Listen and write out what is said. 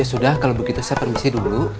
sudah kalau begitu saya permisi dulu